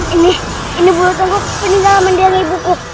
ini ini bulu tunggu peninggalan mendiang ibu ku